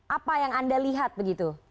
apa yang anda lihat begitu